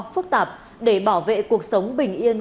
phức tạp để bảo vệ cuộc sống bình yên